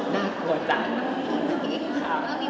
น่ากลัวจัง